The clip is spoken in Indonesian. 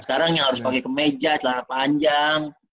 sekarang yang harus pakai kemeja celana panjang